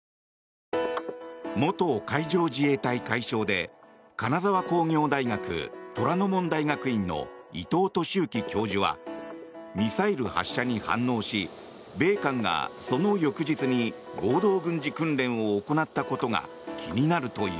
元海上自衛隊海将で金沢工業大学虎ノ門大学院の伊藤俊幸教授はミサイル発射に反応し米韓がその翌日に合同軍事訓練を行ったことが気になるという。